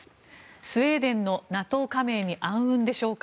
スウェーデンのＮＡＴＯ加盟に暗雲でしょうか。